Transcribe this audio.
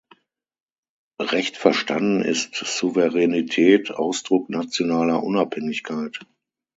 Recht verstanden ist Souveränität Ausdruck nationaler Unabhängigkeit.